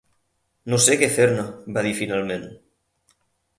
"No sé què fer-ne", va dir finalment.